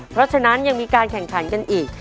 เพราะฉะนั้นยังมีการแข่งขันกันอีก